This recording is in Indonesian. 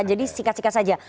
jadi sikat sikat saja